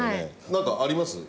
なんかあります？